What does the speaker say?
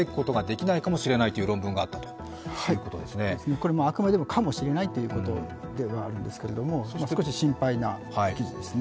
これは、あくまでかもしれないということなんですけれども、少し心配な記事ですね。